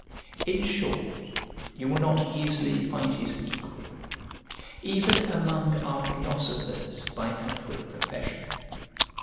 In short, you will not easily find his equal, even among our philosophers by outward profession.